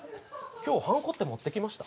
今日ハンコって持ってきました？